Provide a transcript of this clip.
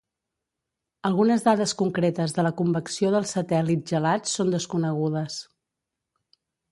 Algunes dades concretes de la convecció dels satèl·lits gelats són desconegudes.